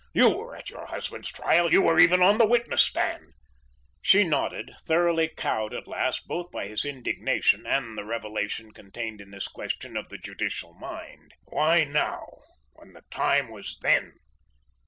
You were at your husband's trial; you were even on the witness stand?" She nodded, thoroughly cowed at last both by his indignation and the revelation contained in this question of the judicial mind "Why now, when the time was THEN?"